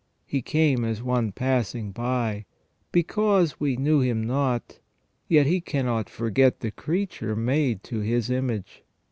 He came as one passing by, because we knew Him not, yet He cannot forget the creature made to His image.